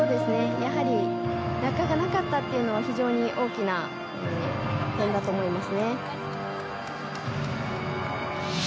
やはり落下がなかったというのが非常に大きな点だと思います。